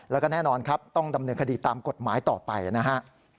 แล้วก็แน่นอนครับต้องดำเนินคดีตามกฎหมายต่อไปนะฮะ